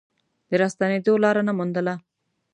د راستنېدو لاره نه موندله.